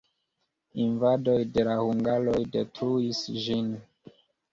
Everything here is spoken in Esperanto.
Invadoj de la hungaroj detruis ĝin.